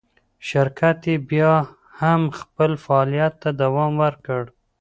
شرکت یې بیا هم خپل فعالیت ته دوام ورکړ.